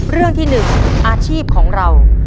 เรื่องที่๑อาชีพของเรา